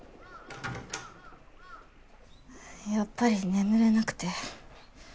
やっぱり眠れなくて。